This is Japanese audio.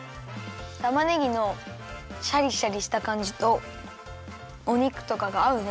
たまねぎのシャリシャリしたかんじとお肉とかがあうね。